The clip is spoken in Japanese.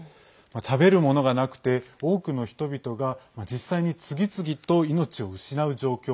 食べるものがなくて多くの人々が実際に次々と命を失う状況。